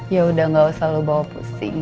yaudah gak usah lo bawa pusing